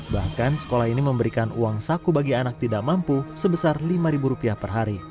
bahkan sekolah ini memberikan uang saku bagi anak tidak mampu sebesar rp lima